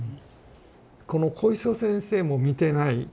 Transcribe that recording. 小磯先生も見てない。